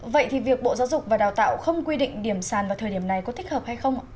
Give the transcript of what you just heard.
vậy thì việc bộ giáo dục và đào tạo không quy định điểm sàn vào thời điểm này có thích hợp hay không